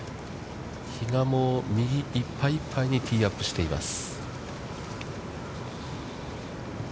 比嘉も右いっぱいいっぱいにティーアップしています。